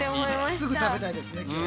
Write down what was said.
すぐ食べたいですね。